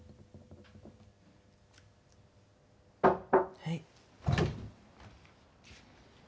・はい。